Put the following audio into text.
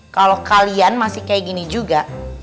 kalau kalian masih kayak gini juga